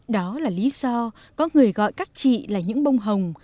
đó là lý do có người gọi các chị là những bông hồng